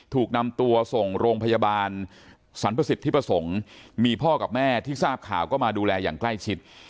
ถูกนำตัวส่งโรงพยาบาลสรรพสิทธิประสงค์มีพ่อกับแม่ที่ทราบข่าวก็มาดูแลอย่างใกล้ชิด